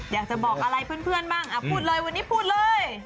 อยากจะบอกอะไรเพื่อนบ้างพูดเลยวันนี้พูดเลย